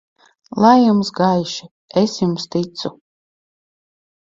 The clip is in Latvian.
Lai jums gaiši Es jums ticu!